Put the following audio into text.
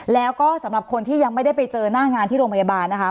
แล้วก็สำหรับคนที่ยังไม่ได้ไปเจอหน้างานที่โรงพยาบาลนะคะ